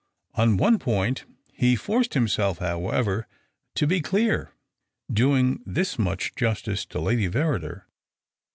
On one point he forced himself, however, to be clear — doing this much justice to Lady Verri der.